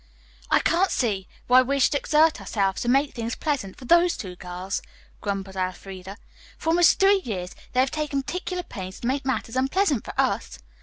"I can't see why we should exert ourselves to make things pleasant for those two girls," grumbled Elfreda. "For almost three years they have taken particular pains to make matters unpleasant for us.